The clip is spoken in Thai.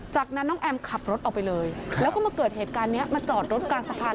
จากนั้นน้องแอมขับรถออกไปเลยแล้วก็มาเกิดเหตุการณ์นี้มาจอดรถกลางสะพาน